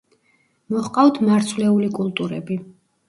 მოჰყავთ მარცვლეული კულტურები.